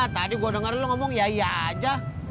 tadi gue denger lo ngomong ya iya aja